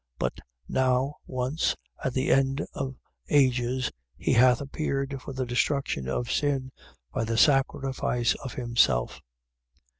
But now once, at the end of ages, he hath appeared for the destruction of sin by the sacrifice of himself.